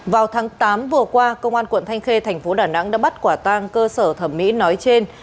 vào tháng tám vừa qua công an quận thanh khê thành phố đà nẵng đã bắt quả tang cơ sở thẩm mỹ nói trên